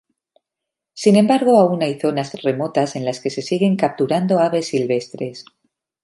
Sin embargo, aún hay zonas remotas en las que se siguen capturando aves silvestres.